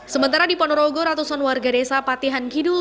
sementara di ponorogo ratusan warga desa patihan kidul